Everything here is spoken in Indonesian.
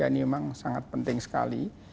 memang sangat penting sekali